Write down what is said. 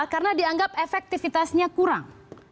karena dianggap efektivitasnya kurang